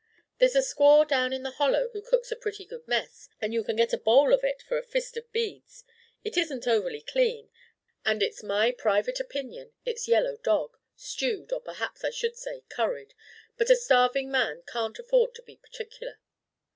There's a squaw down in the hollow who cooks a pretty good mess, and you can get a bowl of it for a fist of beads. It isn't overly clean, and it's my private opinion it's yellow dog, stewed, or perhaps I should say, curried, but a starving man can't afford to be particular."